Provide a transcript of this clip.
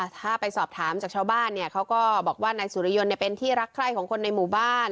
ถ้าไปสอบถามจากชาวบ้านเนี่ยเขาก็บอกว่านายสุริยนต์เป็นที่รักใคร่ของคนในหมู่บ้าน